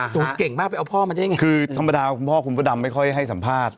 เก่งมากไปเอาพ่อมาได้ยังไงคือธรรมดาคุณพ่อคุณพระดำไม่ค่อยให้สัมภาษณ์